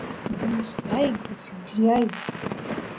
gustayku sifryay